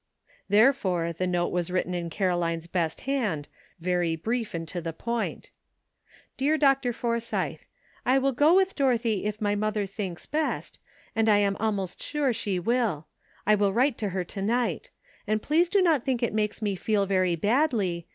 Therefore the note was written in Caroline's best hand, very brief and to the point : Dear Dr. Forsythe : "1 will go with Dorothy if my mother thinks best, and 1 am almost sure she will. I will write to her to night; and please do not think it makes me feel very badly.